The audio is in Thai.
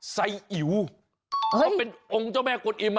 ใส่อิ๋วก็เป็นองค์เจ้าแม่กวนอิ่ม